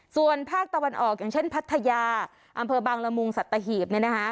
ส่วนภาคตะวันออกอย่างเช่นพัทยาอำเภอบางละมุงสัตหีบ